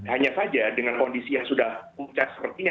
hanya saja dengan kondisi yang sudah pucat sepertinya